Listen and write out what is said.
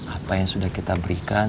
apa yang sudah kita berikan